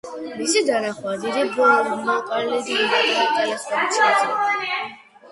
მისი დანახვა დიდი ბინოკლით ან პატარა ტელესკოპით შეიძლება.